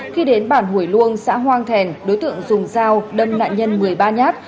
khi đến bản hủy luông xã hoang thèn đối tượng dùng dao đâm nạn nhân một mươi ba nhát